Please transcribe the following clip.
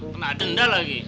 kena denda lagi